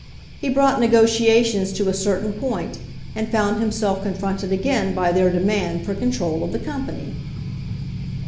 He brought negotiations to a certain point and found himself confronted again by their demand for control of the company.